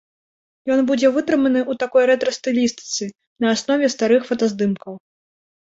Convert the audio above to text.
Ён будзе вытрыманы ў такой рэтра-стылістыцы, на аснове старых фотаздымкаў.